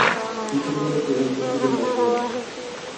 কিন্তু মেয়েটি একদৃষ্টিতে তাকিয়ে আছে।